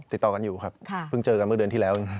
ติดต่อกันอยู่ครับเพิ่งเจอกันเมื่อเดือนที่แล้ว